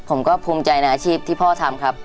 ผมก็ภูมิใจในอาชีพที่พ่อทำครับ